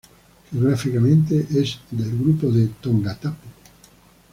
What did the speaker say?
Geográficamente es del grupo de Tongatapu.